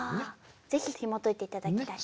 是非ひもといて頂きたい。